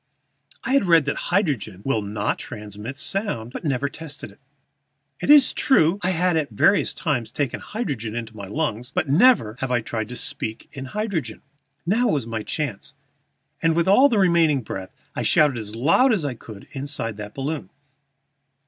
I had read that hydrogen will not transmit sound, but had never tested it. It is true I had at various times taken hydrogen into my lungs, but never had I tried to speak in hydrogen. Now was my chance, and, with all my remaining breath I shouted as loud as I could inside that balloon.